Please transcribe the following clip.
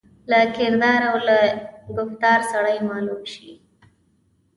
له کردار او له ګفتار سړای معلوم شي.